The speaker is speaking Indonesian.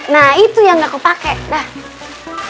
nah itu yang gak kepake dah